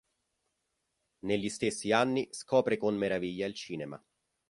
Negli stessi anni scopre con meraviglia il cinema.